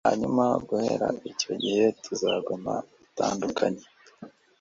hanyuma guhera icyo gihe ntuzaguma utandukanye